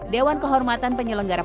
dewan kehormatan penyelenggaraan